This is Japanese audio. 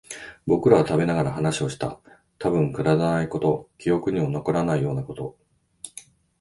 僕らは食べながら話をした。たぶんくだらないこと、記憶にも残らないようなこと。